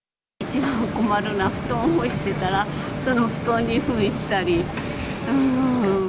一番困るのは、布団干してたら、その布団にふんしたり。